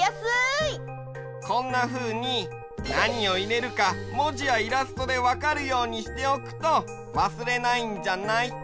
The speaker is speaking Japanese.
こんなふうになにをいれるかもじやイラストでわかるようにしておくとわすれないんじゃない？